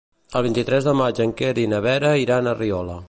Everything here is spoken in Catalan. El vint-i-tres de maig en Quer i na Vera iran a Riola.